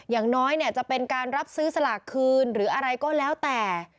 อย่างน้อยเนี่ยจะเป็นการรับซื้อสลากคืนหรืออะไรก็แล้วแต่